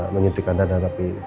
menyuntikkan dana tapi